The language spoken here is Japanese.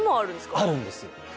あるんです。